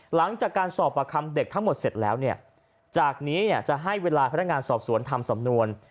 หลังจากการสอบประคำเด็กทั้งหมดเสร็จแล้วเนี่ยจากนี้จะให้เวลาพนักงานสอบสวนทำสำนวน